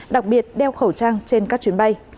đặc biệt đeo khẩu trang trên các chuyến bay